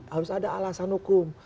harus ada alasan hukum